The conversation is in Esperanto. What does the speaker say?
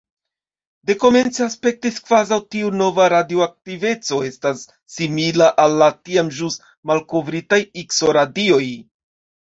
Dekomence, aspektis, kvazaŭ tiu nova radioaktiveco estas simila al la tiam ĵus malkovritaj Ikso-radioj.